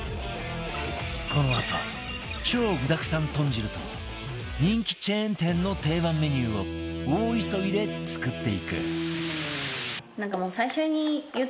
このあと超具だくさん豚汁と人気チェーン店の定番メニューを大急ぎで作っていく